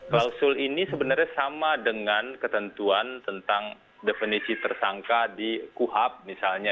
klausul ini sebenarnya sama dengan ketentuan tentang definisi tersangka di kuhap misalnya